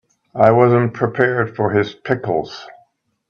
I wasn't prepared for his pickles.